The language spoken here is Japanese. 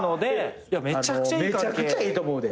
めちゃくちゃいいと思うで。